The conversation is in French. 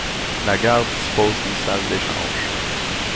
La gare dispose d'une salle d'échanges.